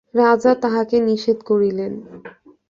রাজা তাহাকে নিষেধ করিলেন।